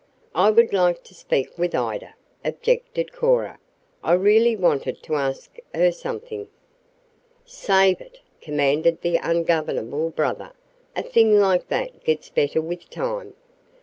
"I would like to speak with Ida," objected Cora. "I really wanted to ask her something." "Save it," commanded the ungovernable brother. "A thing like that gets better with time."